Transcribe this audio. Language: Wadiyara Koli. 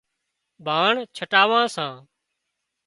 ڀاڻ ڇٽاوان سان